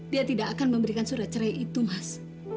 dia tidak akan memberikan surat cerai itu mas